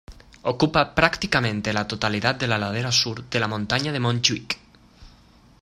Ocupa prácticamente la totalidad de la ladera sur de la montaña de Montjuic.